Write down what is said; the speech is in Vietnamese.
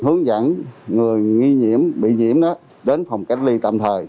hướng dẫn người nghi nhiễm bị nhiễm đến phòng cách ly tạm thời